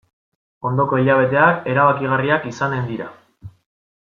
Ondoko hilabeteak erabakigarriak izanen dira.